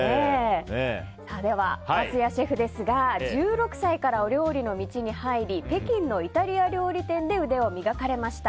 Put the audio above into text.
桝谷シェフは１６歳からお料理の道に入り北京のイタリア料理店で腕を磨かれました。